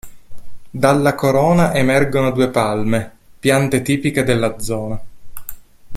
Dalla corona emergono due palme, piante tipiche della zona.